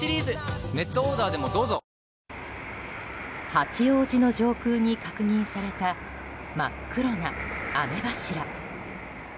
八王子の上空に確認された真っ黒な雨柱。